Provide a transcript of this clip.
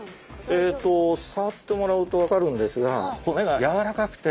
えっとさわってもらうと分かるんですがあれ？